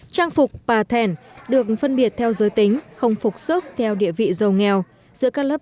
trang phục pà thèn được phân biệt theo giới tính không phục sức theo địa vị giàu nghèo